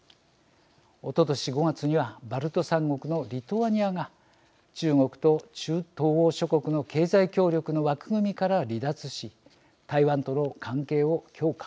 おととし５月にはバルト３国のリトアニアが中国と中東欧諸国の経済協力の枠組みから離脱し台湾との関係を強化。